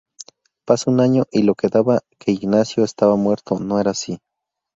Pasa un año y lo que daba que Ignacio estaba muerto, no era así.